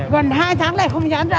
gần hai tháng nay không dám ra